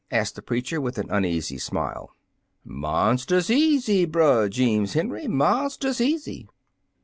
asked the preacher with an uneasy smile. "Monst'us easy, Brer Jeems Henry, monst'us easy.